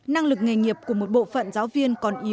năng lực nghề nghiệp của một bộ phận giáo viên